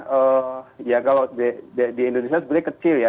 ya kalau di indonesia sebenarnya kecil ya